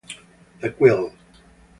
The Quill